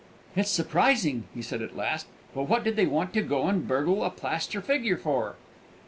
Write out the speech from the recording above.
"It's surprising," he said at last. "But what did they want to go and burgle a plaster figure for?"